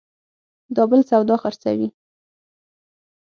دا بل سودا خرڅوي